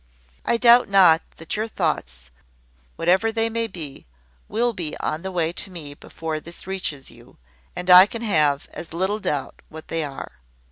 I doubt not that your thoughts, whatever they may be, will be on the way to me before this reaches you; and I can have as little doubt what they are.